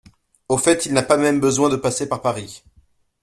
Au fait il n'a pas même besoin de passer par Paris.